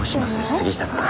杉下さん。